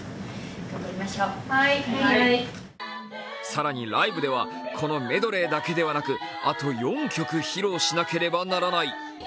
更に、ライブではこのメドレーだけではなくあと４曲、披露しなければならない。